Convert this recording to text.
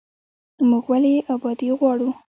موږ ولې ابادي غواړو؟